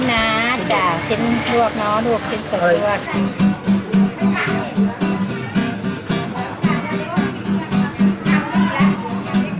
ใช่จ้ะชิ้นลวกเนอะลวกชิ้นเสร็จลวก